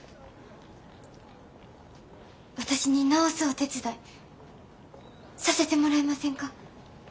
私に直すお手伝いさせてもらえませんか。